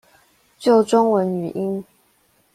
救中文語音